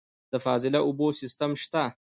د فاضله اوبو سیستم شته؟